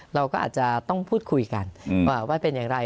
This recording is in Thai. เราก็อาจจะต้องพูดคุยกันว่าเป็นอย่างไร